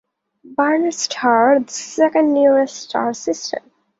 Barnard's Star, the second nearest star system.